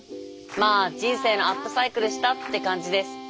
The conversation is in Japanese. まあ人生のアップサイクルしたって感じです。